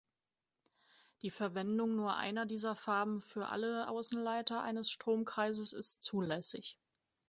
Die Verwendung nur einer dieser Farben für alle Außenleiter eines Stromkreises ist zulässig.